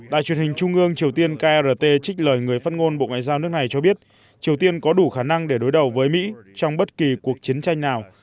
đài truyền hình trung ương triều tiên krt trích lời người phát ngôn bộ ngoại giao nước này cho biết triều tiên có đủ khả năng để đối đầu với mỹ trong bất kỳ cuộc chiến tranh nào